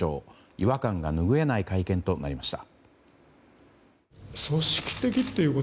違和感が拭えない会見となりました。